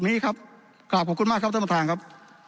นี้ครับกราบขอบคุณมากครับท่านประธานครับ